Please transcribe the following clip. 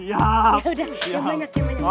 ya udah yang banyak yang banyak